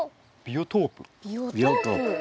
ビオトープ？